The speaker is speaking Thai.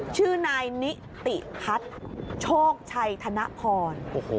ชื่อนายณิติติชกชัยทะนะพร